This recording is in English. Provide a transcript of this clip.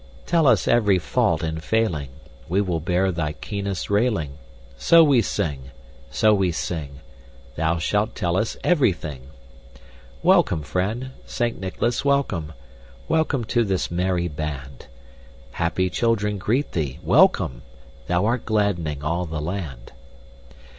Tell us every fault and failing, We will bear thy keenest railing, So we sing so we sing Thou shalt tell us everything! Welcome, friend! Saint Nicholas, welcome! Welcome to this merry band! Happy children greet thee, welcome! Thou art glad'ning all the land!